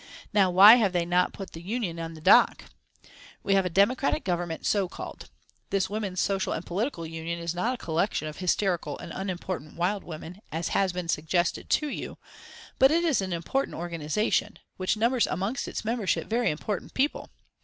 Now why have they not put the Union in the dock? We have a democratic Government, so called. This Women's Social and Political Union is not a collection of hysterical and unimportant wild women, as has been suggested to you, but it is an important organisation, which numbers amongst its membership very important people.